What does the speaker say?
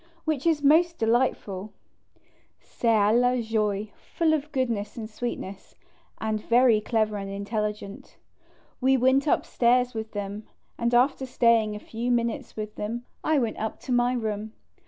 17 which is most delightful ; cest a la jois full of goodness and sweetness, and very clever and intelligent. We went upstairs with them, and after staying a few minutes with them, I went up to my room.